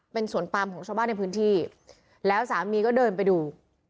เป็นสวนปามของชาวบ้านในพื้นที่แล้วสามีก็เดินไปดู